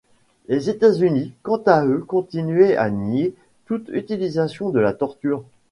Les États-Unis, quant à eux, continuaient à nier toute utilisation de la torture.